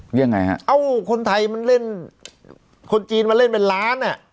ยังไงฮะเอ้าคนไทยมันเล่นคนจีนมาเล่นเป็นล้านอ่ะ